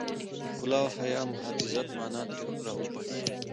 د ښکلا او حيا د محافظت مانا ترې را وباسي.